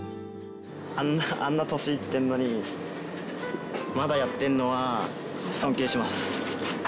あんな年いってるのにまだやってるのは尊敬します。